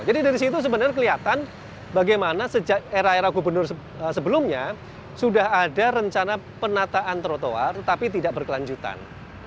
jadi dari situ sebenarnya kelihatan bagaimana sejak era era gubernur sebelumnya sudah ada rencana penataan trotoar tapi tidak berkelanjutan